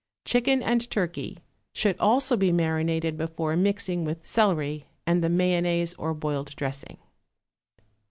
Chicken and turkey should also be marinated before mixing with celery and the mayonnaise or boiled dressing.